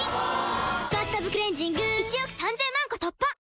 「バスタブクレンジング」１億３０００万個突破！